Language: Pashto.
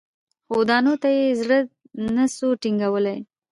خو دانو ته یې زړه نه سو ټینګولای